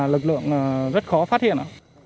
lực lượng rất khó phát hiện